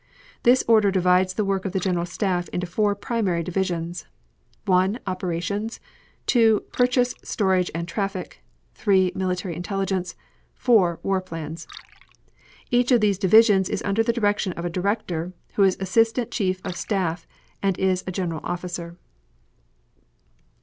This order divides the work of the General Staff into four primary divisions: 1. Operations; 2. Purchase, Storage, and Traffic; 3. Military Intelligence; 4. War Plans. Each of these divisions is under the direction of a director; who is Assistant Chief of Staff and is a general officer.